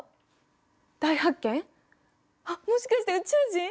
あっもしかして宇宙人！？